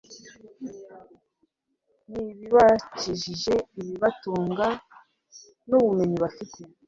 n'ibibakikije, ibibatunga n'ubumenyi bafite